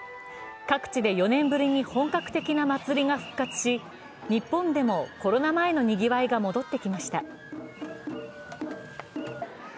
各地で４年ぶりに本格的な祭りが復活し、日本でもコロナ前のにぎわいが戻ってきました。